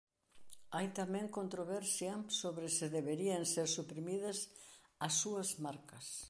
Hai tamén controversia sobre se deberían ser suprimidas as súas marcas.